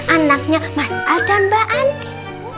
anaknya mas al dan mbak andin